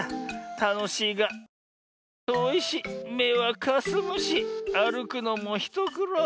たのしいがみみはとおいしめはかすむしあるくのもひとくろう。